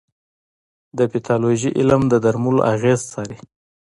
د پیتالوژي علم د درملو اغېز څاري.